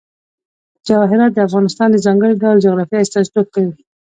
جواهرات د افغانستان د ځانګړي ډول جغرافیه استازیتوب کوي.